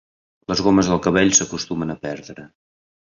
Les gomes del cabell s'acostumen a perdre.